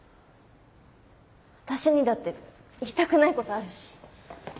私にだって言いたくないことあるし。